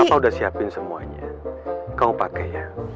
kau udah siapin semuanya kamu pakai ya